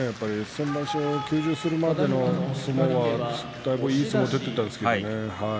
先場所、休場するまでの相撲はだいぶ、いい相撲だったんですけれどもね。